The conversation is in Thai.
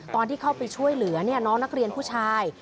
ตอนที่เข้าไปช่วยเหลือน้องนักเรียนผู้ชาย